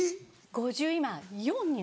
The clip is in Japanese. ５０今４に。